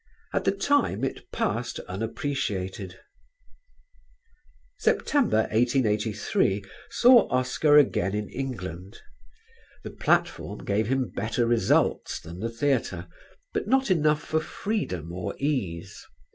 At the time it passed unappreciated. September, 1883, saw Oscar again in England. The platform gave him better results than the theatre, but not enough for freedom or ease.